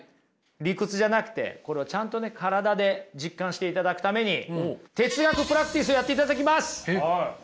理屈じゃなくてこれをちゃんとね体で実感していただくために哲学プラクティスをやっていただきます。